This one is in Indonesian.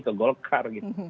ke golkar gitu